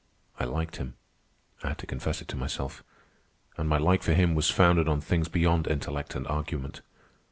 I liked him; I had to confess it to myself. And my like for him was founded on things beyond intellect and argument.